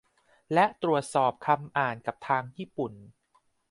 และตรวจสอบคำอ่านกับทางญี่ปุ่น